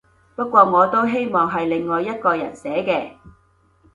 不過我都希望係另外一個人寫嘅